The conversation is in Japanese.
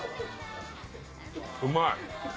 うまい！